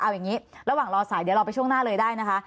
เอาอย่างนี้ระหว่างรอสายเดี๋ยวรอไปช่วงหน้าเลยได้นะคะ